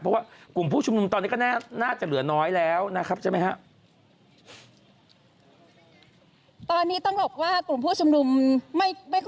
เพราะว่ากลุ่มผู้ชุมนุมตอนนี้ก็น่าจะเหลือน้อยแล้วนะครับใช่ไหมครับ